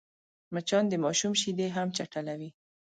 مچان د ماشوم شیدې هم چټلوي